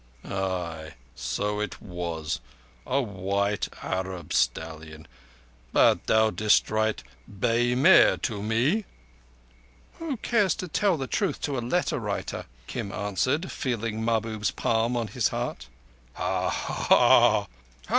"Ay, so it was. A white Arab stallion. But thou didst write 'bay mare' to me." "Who cares to tell truth to a letter writer?" Kim answered, feeling Mahbub's palm on his heart. "Hi!